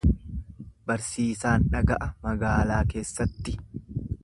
Barsiisaan dhaga'a magaalaa keessatti.